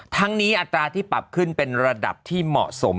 ทั้งนี้อัตราที่ปรับขึ้นเป็นระดับที่เหมาะสม